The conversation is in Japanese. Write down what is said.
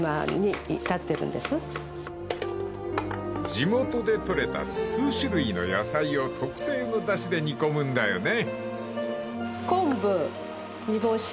［地元で取れた数種類の野菜を特性のだしで煮込むんだよね］